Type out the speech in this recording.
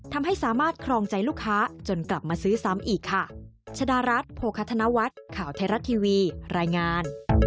ทำให้สามารถครองใจลูกค้าจนกลับมาซื้อซ้ำอีกค่ะ